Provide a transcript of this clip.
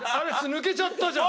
抜けちゃったじゃん！